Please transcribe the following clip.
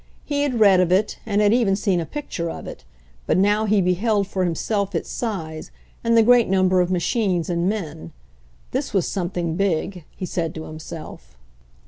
He had read of it, and had even seen a picture of it, but now he beheld for him self its size and the great number of machines and men. This was something big, he said to himself.